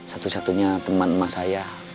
satu satunya teman emas saya